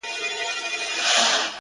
• احساس هم کوي..